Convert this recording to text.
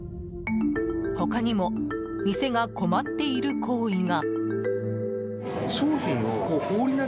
他にも、店が困っている行為が。